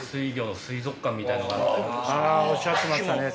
あぁおっしゃってましたね。